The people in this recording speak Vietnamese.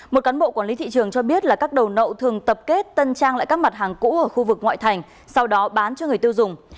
một cán bộ quản lý thị trường cho biết là các đầu nậu thường tập kết tân trang lại các mặt hàng cũ ở khu vực ngoại thành sau đó bán cho người tiêu dùng